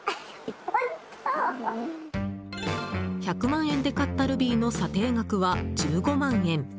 １００万円で買ったルビーの査定額は、１５万円。